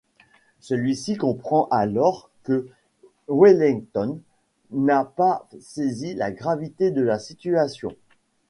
Celui-ci comprend alors que Wellington n'a pas saisi la gravité de la situation.